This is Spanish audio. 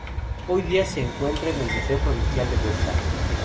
Hoy día se encuentra en el Museo Provincial de Huesca.